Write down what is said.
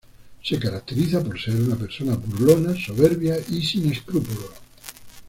Se caracteriza por ser una persona burlona, soberbia y sin escrúpulos.